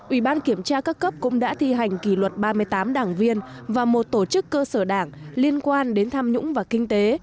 ủy ban kiểm tra các cấp cũng đã thi hành kỷ luật ba mươi tám đảng viên và một tổ chức cơ sở đảng liên quan đến tham nhũng và kinh tế